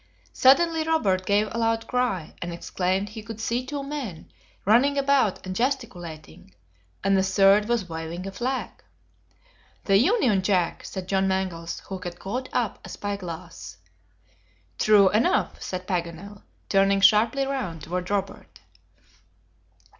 Suddenly Robert gave a loud cry, and exclaimed he could see two men running about and gesticulating, and a third was waving a flag. "The Union Jack," said John Mangles, who had caught up a spy glass. "True enough," said Paganel, turning sharply round toward Robert.